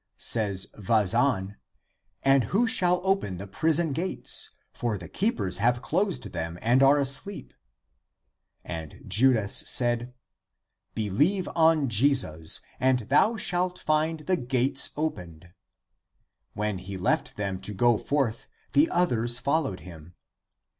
Says Vazan, "And who shall open the prison gates? for the keepers have closed them and are asleep." And ACTS OF THOMAS 351 Judas said, " Believe on Jesus, and thou shalt find tl:e gates opened." When he left them to go forth, the others followed him.